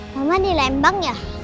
mama di lembang ya